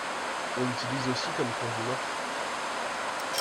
On l'utilise aussi comme condiment.